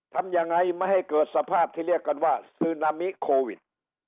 ทำยังไงไม่ให้เกิดสภาพที่เรียกกันว่าซึนามิโควิด